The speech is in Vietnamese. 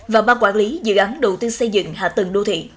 và ban quản lý dự án đầu tư xây dựng hạ tầng đô thị